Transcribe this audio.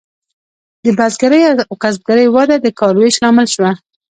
د بزګرۍ او کسبګرۍ وده د کار ویش لامل شوه.